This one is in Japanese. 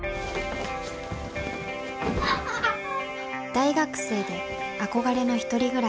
大学生で憧れの一人暮らし